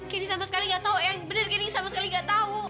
kenny sama sekali gak tahu eyang bener kenny sama sekali gak tahu